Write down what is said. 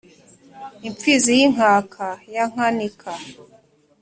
imfizi y'inkaka ya nkanika